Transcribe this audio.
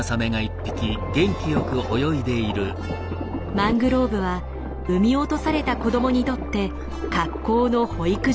マングローブは産み落とされた子供にとって格好の保育所になる。